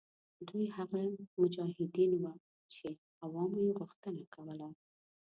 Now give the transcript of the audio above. دوی هغه مجاهدین وه چې عوامو یې غوښتنه کوله.